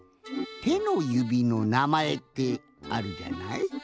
ての指のなまえってあるじゃない？